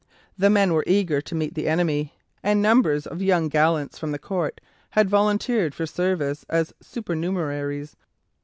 The men were eager to meet the enemy, and numbers of young gallants from the Court had volunteered for service as supernumeraries.